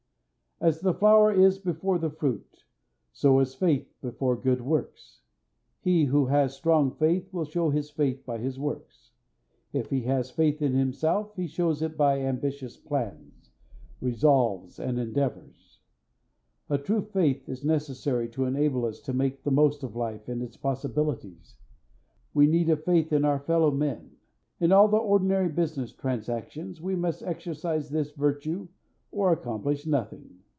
As the flower is before the fruit, so is faith before good works. He who has strong faith will show his faith by his works. If he has faith in himself he shows it by ambitious plans, resolves, and endeavors. A true faith is necessary to enable us to make the most of life and its possibilities. We need a faith in our fellow men. In all the ordinary business transactions we must exercise this virtue or accomplish nothing.